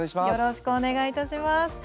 よろしくお願いします